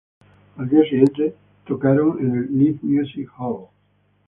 Al día siguiente tocaron en el Live Music Hall.